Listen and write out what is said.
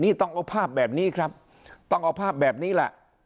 นี่ต้องเอาภาพแบบนี้ครับต้องเอาภาพแบบนี้ล่ะ